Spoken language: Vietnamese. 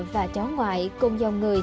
và chó ngoại cùng dòng người